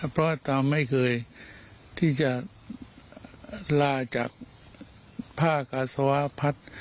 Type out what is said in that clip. เพราะอาไม่เคยที่จะลาจากผ้ากาศวพัฒน์